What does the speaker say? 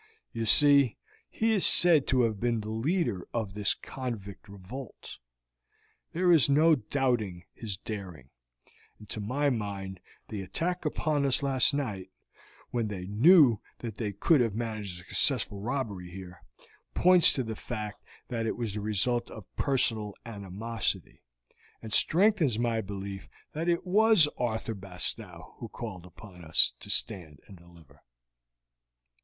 You see, he is said to have been the leader of this convict revolt. There is no doubting his daring, and to my mind the attack upon us last night, when they knew that they could have managed a successful robbery here, points to the fact that it was the result of personal animosity, and strengthens my belief that it was Arthur Bastow who called upon us to stand and deliver."